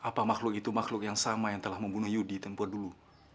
apa makhluk itu makhluk yang sama yang telah membunuh yudi tempo dulu